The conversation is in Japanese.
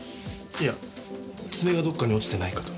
いや爪がどっかに落ちてないかと。